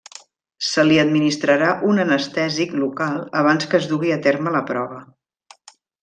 Se li administrarà un anestèsic local abans que es dugui a terme la prova.